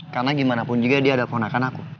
karena gimana pun juga dia dapurkan aku